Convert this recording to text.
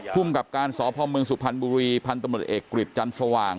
พุ่งกับการสอบพ่อเมืองสุพรรณบุรีพันธมิตรเอกกริจจันทร์สว่าง